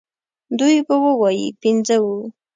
دوی به ووايي پنځه وو.